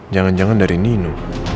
jangan jangan dari nino